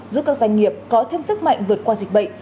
giúp các doanh nghiệp có thêm sức mạnh vượt qua dịch bệnh